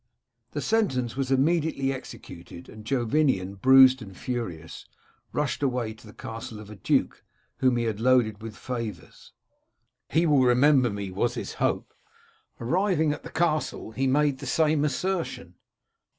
"The sentence was immediately executed, and Jovinian, bruised and furious, rushed away to the castle of a duke whom he had loaded with favours. * He will remember me,' was his hope. Arrived at the castle, he made the same assertion.